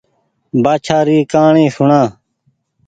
بآڇآ ري ڪهآڻي سوڻا